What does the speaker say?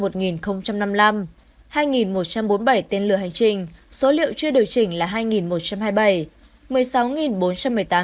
hai một trăm bốn mươi bảy tiên lửa hành trình số liệu chưa điều chỉnh là hai một trăm hai mươi bảy